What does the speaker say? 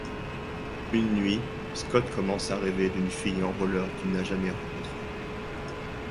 Une nuit, Scott commence à rêver d'une fille en rollers qu'il n'a jamais rencontré.